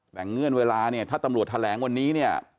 แต่เงื่อนเวลาเนี่ยถ้าตำรวจแถลงวันนี้เนี่ย